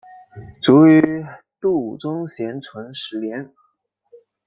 卒于度宗咸淳十年。